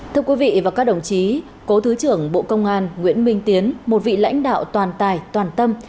thưa quý vị và các đồng chí cố thứ trưởng bộ công an nguyễn minh tiến một vị lãnh đạo toàn tài toàn tâm